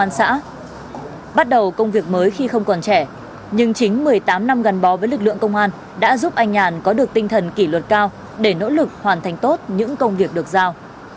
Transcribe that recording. anh nguyễn văn nhàn đã làm công việc mới khi không còn trẻ nhưng chính một mươi tám năm gần bó với lực lượng công an đã giúp anh nhàn có được tinh thần kỷ luật cao để nỗ lực hoàn thành tốt những công việc được giao